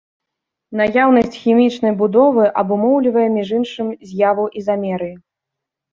Наяўнасць хімічнай будовы абумоўлівае, між іншым, з'яву ізамерыі.